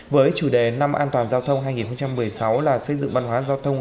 với chủ đề năm an toàn giao thông hai nghìn một mươi sáu là xây dựng văn hóa giao thông